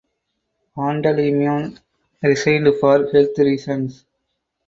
Panteleimon resigned for health reasons.